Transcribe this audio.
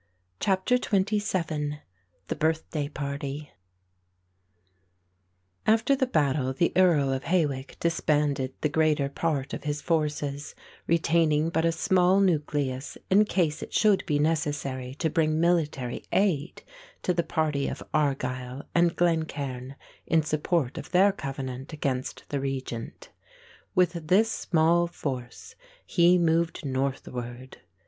CHAPTER XXVII THE BIRTHDAY PARTY After the battle the Earl of Hawick disbanded the greater part of his forces, retaining but a small nucleus in case it should be necessary to bring military aid to the party of Argyle and Glencairn in support of their covenant against the regent. With this small force he moved northward.